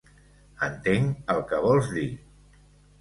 Entenc el que vols dir.